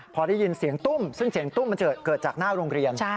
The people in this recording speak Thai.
พอได้ยินเสียงตุ้มซึ่งเสียงตุ้มมันเกิดจากหน้าโรงเรียน